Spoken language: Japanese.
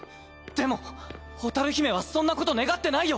でも蛍姫はそんなこと願ってないよ。